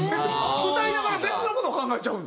歌いながら別の事を考えちゃうの？